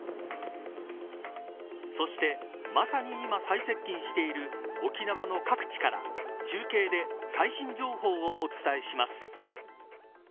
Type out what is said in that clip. そして、まさに今最接近している沖縄の各地から中継で最新情報をお伝えします。